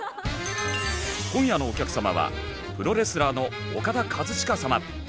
今夜のお客様はプロレスラーのオカダ・カズチカ様。